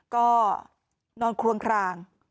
ก็นอนคลวงคลาง